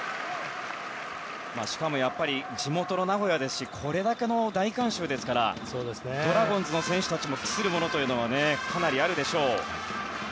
しかも、地元の名古屋ですしこれだけの大観衆なのでドラゴンズの選手たちも期するものがかなりあるでしょう。